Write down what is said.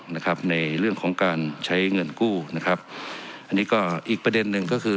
นะครับในเรื่องของการใช้เงินกู้นะครับอันนี้ก็อีกประเด็นหนึ่งก็คือ